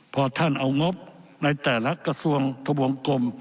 พอท่านเอางบในแต่ละกระทรวงทะวงกลม